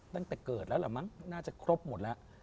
ตั้งแต่เกิดแล้วเหรอมั้งน่าจะครบหมดแล้ว